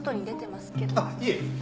あっいえ。